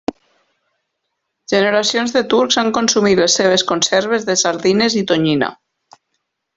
Generacions de turcs han consumit les seves conserves de sardines i tonyina.